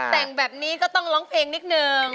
แต่งแบบนี้ก็ต้องร้องเพลงนิดนึง